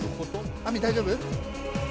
愛美大丈夫？